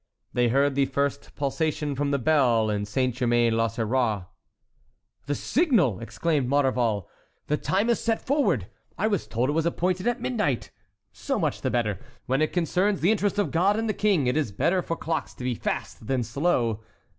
They heard the first pulsation from the bell in Saint Germain l'Auxerrois. "The signal!" exclaimed Maurevel. "The time is set forward! I was told it was appointed at midnight—so much the better. When it concerns the interest of God and the King, it is better for clocks to be fast than slow!"